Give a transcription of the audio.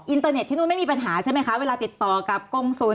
อินเตอร์เน็ตที่นู่นไม่มีปัญหาใช่ไหมคะเวลาติดต่อกับกรงศูนย์